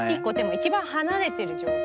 一番離れてる状態。